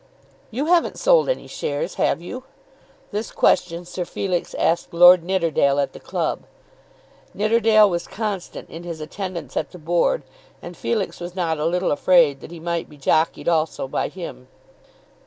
"You haven't sold any shares; have you?" This question Sir Felix asked Lord Nidderdale at the club. Nidderdale was constant in his attendance at the Board, and Felix was not a little afraid that he might be jockied also by him.